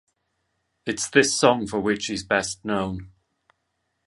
It is this song for which he is best known.